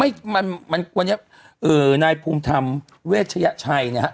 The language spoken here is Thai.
ไม่มันวันนี้เอ่อนายภูมิธรรมเวชยชัยนะฮะ